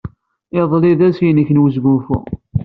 Iḍelli d ass-nnek n wesgunfu.